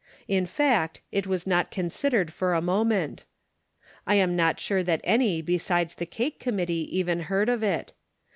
In fact, it was not considered for a moment. I am not sure that any besides the cake committee even heard of it.